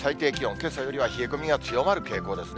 けさよりは冷え込みが強まる傾向ですね。